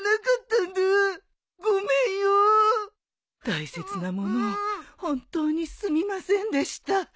大切な物を本当にすみませんでした。